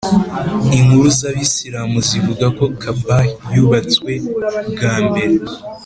inkuru z’abisilamu zivuga ko “kaʽbah yubatswe bwa mbere